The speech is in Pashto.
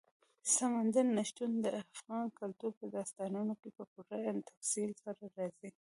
سمندر نه شتون د افغان کلتور په داستانونو کې په پوره تفصیل سره راځي.